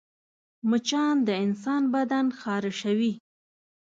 مچان د انسان بدن خارشوي